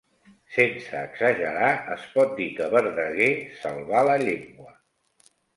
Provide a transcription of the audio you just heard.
Sense exagerar es pot dir que Verdaguer salvà la llengua.